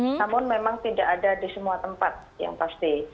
namun memang tidak ada di semua tempat yang pasti